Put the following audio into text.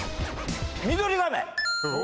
ミドリガメ！